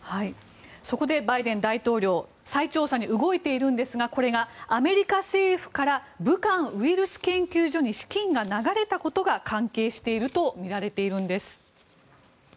そこでバイデン大統領再調査に動いているんですがこれがアメリカ政府から武漢ウイルス研究所に資金が流れたことが関係しているとみられているんです。